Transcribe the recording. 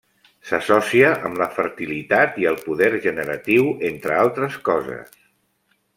S'associa amb la fertilitat i el poder generatiu, entre altres coses.